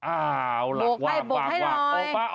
อ้าวล่ะวางบวกให้บวกให้หน่อย